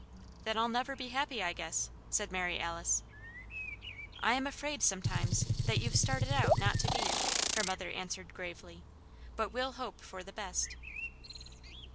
"Then I'll never be happy, I guess," said Mary Alice. "I'm afraid, sometimes, that you've started out not to be," her mother answered, gravely, "but we'll hope for the best."